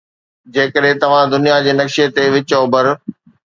جيڪڏهن توهان دنيا جي نقشي تي وچ اوڀر